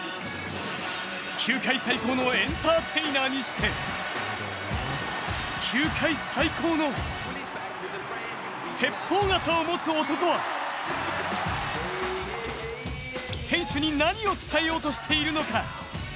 球界最高のエンターテイナーにして球界最高の鉄砲肩を持つ男は選手に何を伝えようとしているのか。